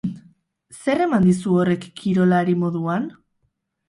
Zer eman dizu horrek kirolari moduan?